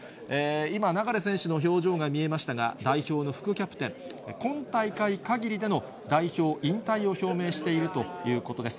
今、流選手の表情が見えましたが、代表の副キャプテン、今大会限りでの代表引退を表明しているということです。